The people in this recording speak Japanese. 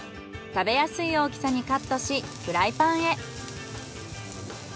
食べやすい大きさにカットしフライパンへ。